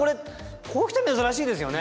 こういう人珍しいですよね？